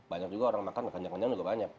banyak juga orang makan kenyang juga banyak